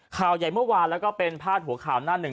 ข่าวใหญ่เมื่อวานแล้วก็เป็นพาดหัวข่าวหน้าหนึ่ง